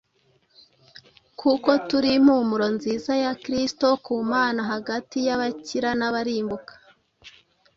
kuko turi impumuro nziza ya Kristo ku Mana hagati y’abakira n’abarimbuka.”